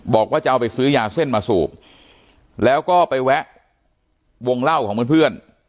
บอกว่าจะเอาไปซื้อยาเส้นมาสูบแล้วก็ไปแวะวงเล่าของเพื่อน